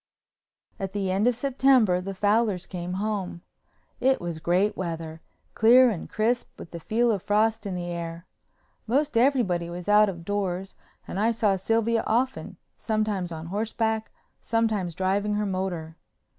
At the end of September the Fowlers came home. It was great weather, clear and crisp, with the feel of frost in the air. Most everybody was out of doors and I saw Sylvia often, sometimes on horseback, sometimes driving her motor.